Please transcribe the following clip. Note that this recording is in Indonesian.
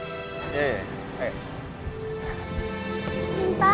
lagi ada belkirade nya